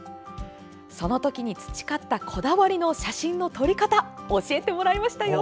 そのときに、培ったこだわりの写真の撮り方を教えてもらいましたよ。